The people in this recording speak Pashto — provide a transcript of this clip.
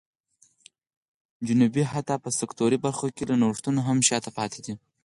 جنوب حتی په سکتوري برخو کې له نوښتونو هم شا ته پاتې و.